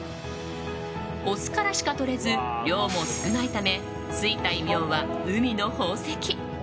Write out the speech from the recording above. オスからしかとれず量も少ないためついた異名は海の宝石。